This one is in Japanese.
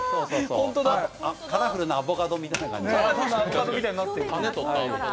カラフルなアボカドみたいな。